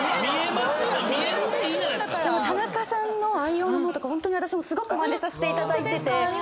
田中さんの愛用の物とかホントに私もまねさせていただいてて。